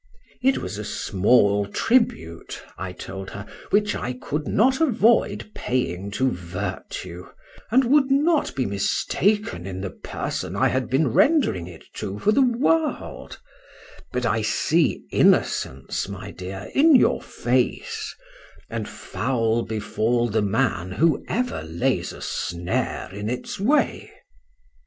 It was a small tribute, I told her, which I could not avoid paying to virtue, and would not be mistaken in the person I had been rendering it to for the world;—but I see innocence, my dear, in your face,—and foul befall the man who ever lays a snare in its way!